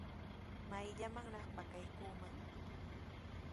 ¿Mayllamanraq pakakuuman?